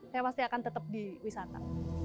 saya pasti akan tetap di wisata